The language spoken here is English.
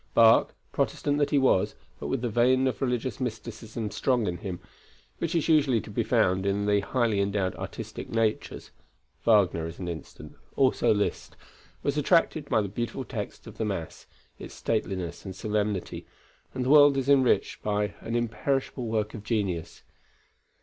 Bach, Protestant that he was, but with the vein of religious mysticism strong in him, which is usually to be found in highly endowed artistic natures (Wagner is an instance, also Liszt), was attracted by the beautiful text of the Mass, its stateliness and solemnity, and the world is enriched by an imperishable work of genius.